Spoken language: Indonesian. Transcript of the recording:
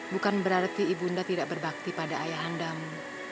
bukan berarti ibu bunda tidak berbakti pada ayahandamu